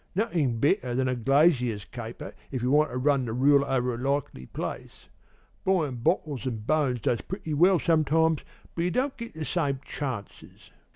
Nothin' better than the glazier caper, if you want to run the rule over a likely place. Buyin' bottles an' bones does pretty well sometimes, but you don't get the same chances.